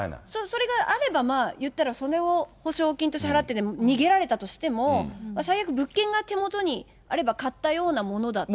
それがあれば、いったら、それを保証金を支払っても逃げられたとしても、最悪物件が手元にあれば買ったようなものだっていう。